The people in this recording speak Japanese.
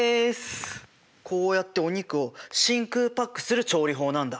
こうやってお肉を真空パックする調理法なんだ。